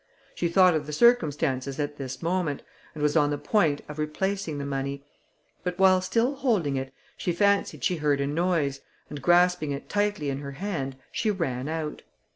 She thought of the circumstance at this moment, and was on the point of replacing the money; but while still holding it, she fancied she heard a noise, and grasping it tightly in her hand, she ran out.